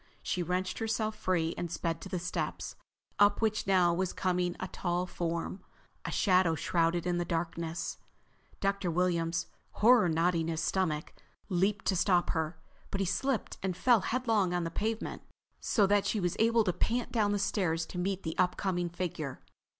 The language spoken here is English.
She wrenched herself free and sped for the steps, up which now was coming a tall form, a shadow shrouded in the darkness. Dr. Williams, horror knotting his stomach, leaped to stop her. But he slipped and fell headlong on the pavement, so that she was able to pant down the stairs to meet the upcoming figure.